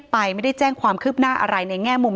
ถ้าใครอยากรู้ว่าลุงพลมีโปรแกรมทำอะไรที่ไหนยังไง